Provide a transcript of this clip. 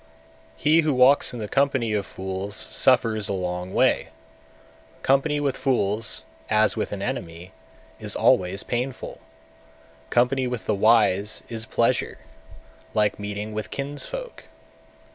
207. He who walks in the company of fools suffers a long way; company with fools, as with an enemy, is always painful; company with the wise is pleasure, like meeting with kinsfolk.